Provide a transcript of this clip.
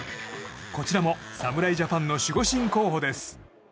こちらも侍ジャパンの守護神候補です。